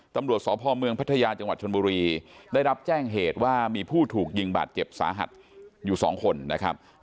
ตำรวจสพเมืองพัทยาจังหวัดชนบุรีได้รับแจ้งเหตุว่ามีผู้ถูกยิงบาดเจ็บสาหัสอยู่สองคนนะครับ